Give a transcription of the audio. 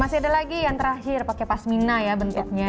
masih ada lagi yang terakhir pakai pasmina ya bentuknya